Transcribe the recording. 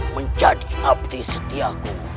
menjadi abdi setiaku